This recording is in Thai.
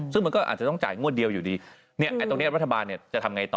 ซึ่งมันก็อาจจะต้องจ่ายงวดเดียวอยู่ดีเนี่ยไอ้ตรงนี้รัฐบาลเนี่ยจะทำไงต่อ